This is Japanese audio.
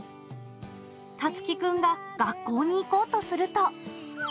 たつき君が学校に行こうとすると。